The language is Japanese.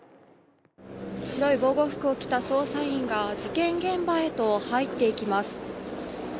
白い防護服を着た捜査員が事件現場へと入っていきます。